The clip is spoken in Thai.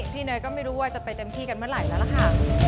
เนยก็ไม่รู้ว่าจะไปเต็มที่กันเมื่อไหร่แล้วล่ะค่ะ